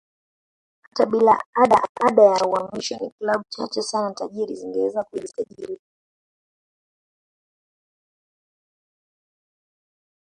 Hata bila ada ya uhamisho ni klabu chache sana tajiri zingeweza kumsajili